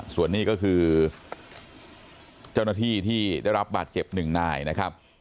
ส่วนนี้ก็คือเจ้าหน้าที่ที่ได้รับบาดเจ็บหนึ่งนายนะครับ